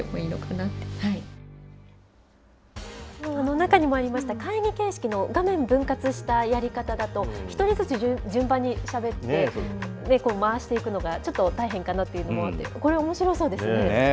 中にもありました、会員形式の画面分割したやり方だと、１人ずつ順番にしゃべって、回していくのが、ちょっと大変かなというのもあって、これはおもしろそうですね。